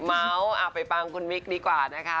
เอาไปฟังคุณวิคดีกว่านะคะ